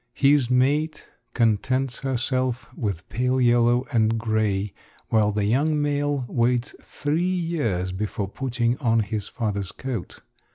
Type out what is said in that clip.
His mate contents herself with pale yellow and gray, while the young male waits three years before putting on his father's coat.